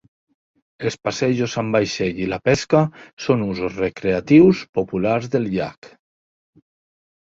Els passejos amb vaixell i la pesca són usos recreatius populars del llac.